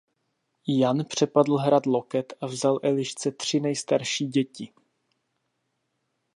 Jan přepadl hrad Loket a vzal Elišce tři nejstarší děti.